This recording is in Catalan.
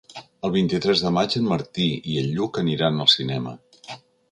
El vint-i-tres de maig en Martí i en Lluc aniran al cinema.